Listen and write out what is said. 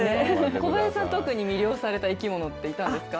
小林さん、特に魅了された生き物っていたんですか？